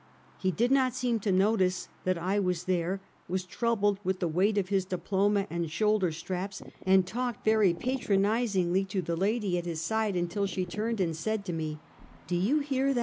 He did not seem to notice that I was there, was troubled with the weight of his diploma and shoulder straps, and talked very patronizingly to the lady at his side, until she turned, and said to me: " Do you hear that?"